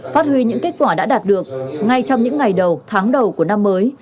phát huy những kết quả đã đạt được ngay trong những ngày đầu tháng đầu của năm mới